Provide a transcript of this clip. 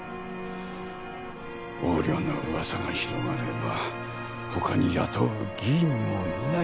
横領のうわさが広まれば他に雇う議員もいない。